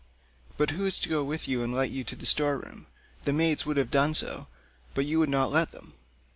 But who is to go with you and light you to the store room? The maids would have done so, but you would not let them."